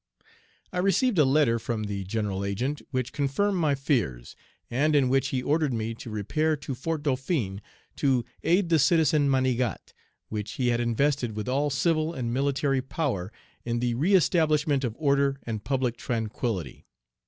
I received a letter from the General Agent, which confirmed my fears, and in which he ordered me to repair to Fort Dauphin to aid the citizen Manigat, whom he had invested with all civil and military power, in the reëstablishment of order and public tranquillity.